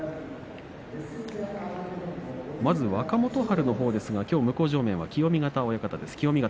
まず若元春のほうですがきょう向正面は清見潟親方です。